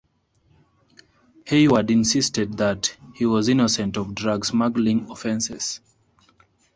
Hayward insisted that he was innocent of drug smuggling offences.